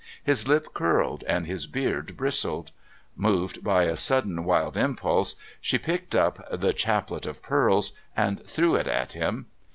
His lip curled and his beard bristled. Moved by a sudden wild impulse she picked up "The Chaplet of Pearls" and threw it at him.